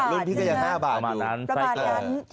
รุ่นพี่ก็ยัง๕บาทอยู่